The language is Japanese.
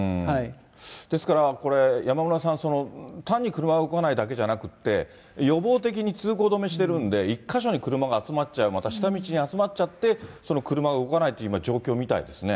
ですから、これ、山村さん、たんに車が動かないだけじゃなくって、予防的に通行止めしてるんで、１か所に車が集まっちゃう、下道に集まっちゃって、その車が動かないという状況みたいですね。